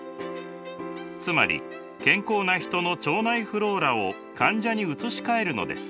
つまり健康なヒトの腸内フローラを患者に移し替えるのです。